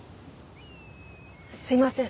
すいません。